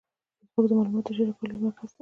فېسبوک د معلوماتو د شریکولو لوی مرکز دی